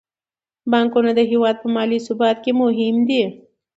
بانکونه د هیواد په مالي ثبات کې مهم دي.